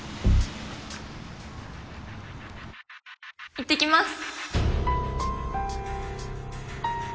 行ってきます